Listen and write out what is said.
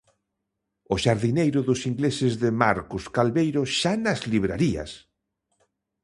O xardineiro dos ingleses de Marcos Calveiro xa nas librarías!